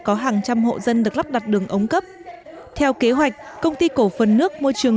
có hàng trăm hộ dân được lắp đặt đường ống cấp theo kế hoạch công ty cổ phần nước môi trường